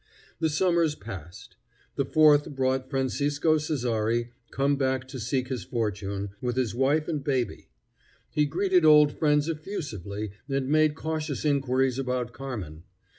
The summers passed. The fourth brought Francisco Cessari, come back to seek his fortune, with his wife and baby. He greeted old friends effusively and made cautious inquiries about Carmen.